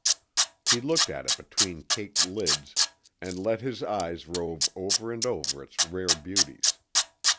He looked at it between caked lids and let his eyes rove over and over its rare beauties.